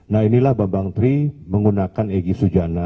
nah inilah bambang tri menggunakan egy sujana